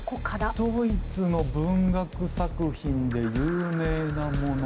ドイツの文学作品で有名なもの